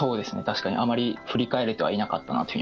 確かにあまり振り返れてはいなかったなって。